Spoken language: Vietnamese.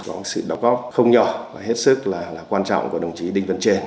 có sự đóng góp không nhỏ và hết sức là quan trọng của đồng chí đinh văn trền